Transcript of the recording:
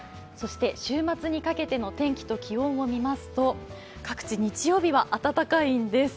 週末にかけての天気と気温を見ますと各地、日曜日は暖かいんです。